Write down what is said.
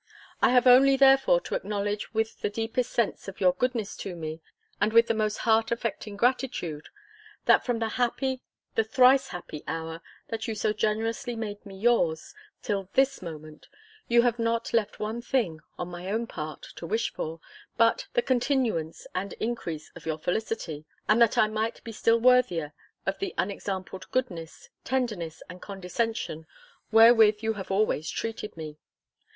I have only therefore to acknowledge with the deepest sense of your goodness to me, and with the most heart affecting gratitude, that from the happy, the thrice happy hour, that you so generously made me yours, till this moment, you have not left one thing, on my own part, to wish for, but the continuance and increase of your felicity, and that I might be still worthier of the unexampled goodness, tenderness, and condescension, wherewith you have always treated me.